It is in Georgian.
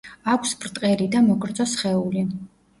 აქვს ბრტყელი და მოგრძო სხეული.